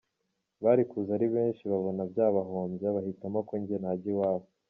Bari kuza ari benshi babona byabahombya bahitamo ko njye najya iwabo.